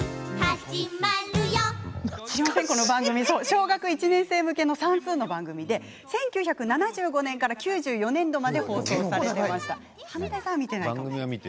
小学１年生向けの算数の番組で１９７５年から９４年度まで放送されていました。